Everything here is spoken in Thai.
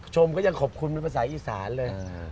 ชมก็ยังขอบคุณเป็นภาษาอีสานเลย